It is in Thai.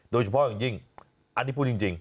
โดยเฉพาะอย่างยิ่งอันนี้พูดจริง